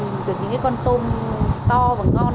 những cái con tôm to và ngon